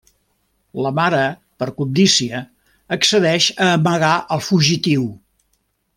La mare, per cobdícia, accedeix a amagar al fugitiu.